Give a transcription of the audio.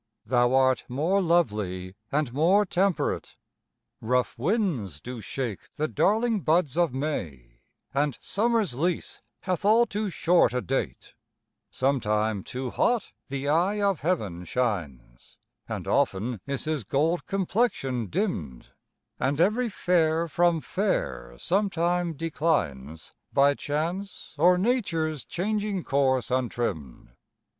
Thou art more lovely and more temperate: Rough winds do shake the darling buds of May, And summer's lease hath all too short a date: Sometime too hot the eye of heaven shines, And often is his gold complexion dimm'd, And every fair from fair sometime declines, By chance, or nature's changing course, untrimm'd.